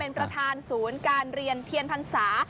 เป็นประธานศูนย์การเรียนเทียนพรรษา